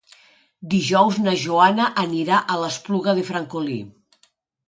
Dijous na Joana anirà a l'Espluga de Francolí.